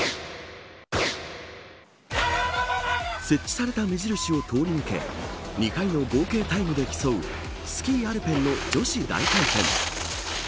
設置された目印を通り抜け２回の合計タイムで競うスキーアルペンの女子大回転。